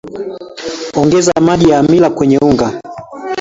ongeza maji ya hamira kwenye unga